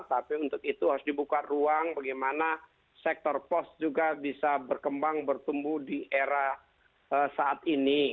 tapi untuk itu harus dibuka ruang bagaimana sektor pos juga bisa berkembang bertumbuh di era saat ini